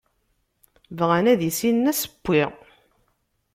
Bɣan ad issinen asewwi.